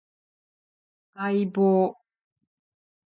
相棒